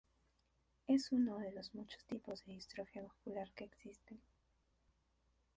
Es uno de los muchos tipos de distrofia muscular que existen.